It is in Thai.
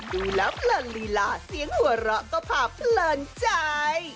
ดูแล้วเพลินลีลาเสียงหัวเราะก็พาเพลินใจ